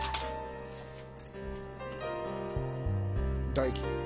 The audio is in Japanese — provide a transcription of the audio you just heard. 大樹。